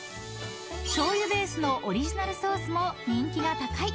［しょうゆベースのオリジナルソースも人気が高い］